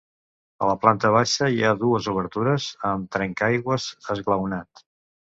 A la planta baixa hi ha dues obertures amb trencaaigües esglaonat.